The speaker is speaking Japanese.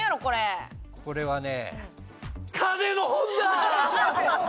これはね。